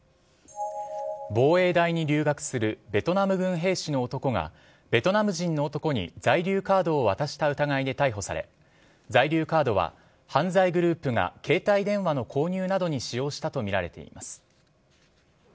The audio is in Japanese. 防衛大に留学するベトナム軍兵士の男がベトナム人の男に在留カードを渡した疑いで逮捕され在留カードは、犯罪グループが携帯電話の購入などに使用したとみられています。